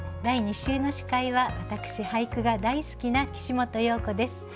第２週の司会は私俳句が大好きな岸本葉子です。